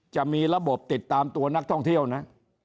จะมีระบบติดตามตัวนักท่องเที่ยวนะ